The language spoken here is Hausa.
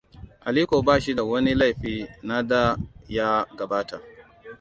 Aliko ba shi da wani laifi na da ya gabata.